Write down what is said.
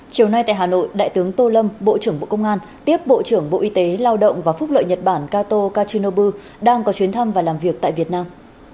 chiều nay tại hà nội đại tướng tô lâm bộ trưởng bộ công an tiếp bộ trưởng bộ y tế lao động và phúc lợi nhật bản kato kachinobu đang có chuyến thăm và làm việc tại việt nam